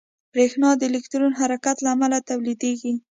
برېښنا د الکترون حرکت له امله تولیدېږي.